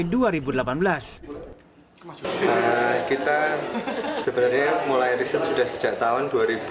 nah kita sebenarnya mulai riset sudah sejak tahun dua ribu lima belas